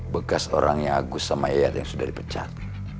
bekas orangnya agus sama er yang sudah dipecat